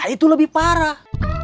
itu lebih parah